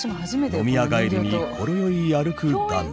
飲み屋帰りにほろ酔い歩く男女。